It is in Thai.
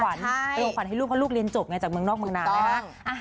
ขวัญเป็นของขวัญให้ลูกเพราะลูกเรียนจบไงจากเมืองนอกเมืองนานนะฮะ